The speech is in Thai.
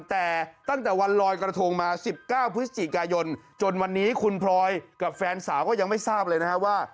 แต่ตั้งแต่วันลอยกระทงมา๑๙พฤศจิกายนจนวันนี้คุณพลอยกับแฟนสาวก็ยังไม่ทราบเลยนะฮะว่า